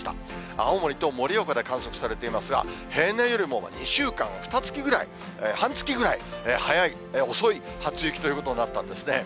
青森と盛岡で観測されていますが、平年よりも２週間、半月ぐらい遅い初雪ということになったんですね。